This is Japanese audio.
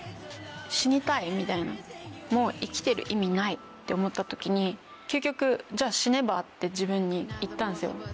「死にたい」みたいな「もう生きてる意味ない」って思った時に究極「じゃあ死ねば？」って自分に言ったんですよ。